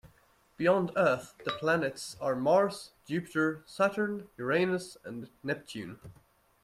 Beyond Earth, the planets are Mars, Jupiter, Saturn, Uranus and Neptune.